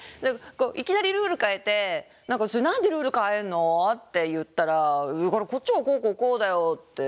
いきなりルール変えて「何でルール変えんの？」って言ったら「こっちはこうこうこうだよ」って